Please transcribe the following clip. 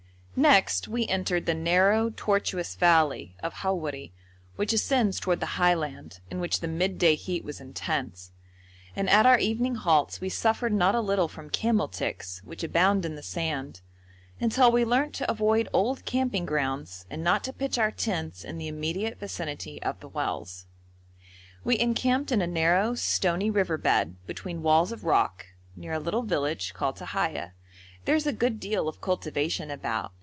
Next we entered the narrow, tortuous valley of Howeri, which ascends towards the highland, in which the midday heat was intense; and at our evening halts we suffered not a little from camel ticks, which abound in the sand, until we learnt to avoid old camping grounds and not to pitch our tents in the immediate vicinity of the wells. We encamped in a narrow, stony river bed, between walls of rock, near a little village called Tahiya. There is a good deal of cultivation about.